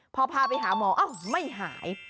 พอพาไปหาหมออ้าวไม่หาย